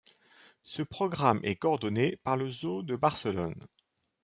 Ce programme est coordonné par le zoo de Barcelone.